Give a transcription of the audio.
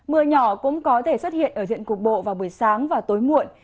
mưa nhỏ cũng có thể xuất hiện ở diện cục bộ vào buổi sáng và tối muộn